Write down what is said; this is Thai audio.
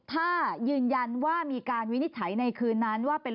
ถ้ายืนยันว่ามีการวินิจฉัยในคืนนั้นว่าเป็น